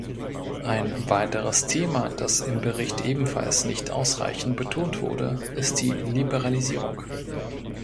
Ein weiteres Thema, das im Bericht ebenfalls nicht ausreichend betont wurde, ist die Liberalisierung.